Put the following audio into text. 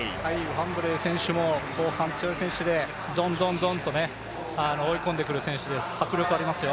ファンブレー選手も後半強い選手でどんどんどんどんと追い込んでくる選手です、迫力ありますよ。